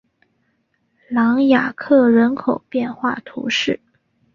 朗雅克人口变化图示